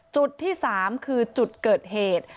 จุดที่๓คือจุดเกิดเหตุ